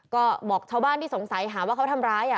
ก็บอกชาวบ้านที่สงสัยหาว่าเขาทำร้าย